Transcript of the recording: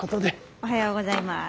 おはようございます。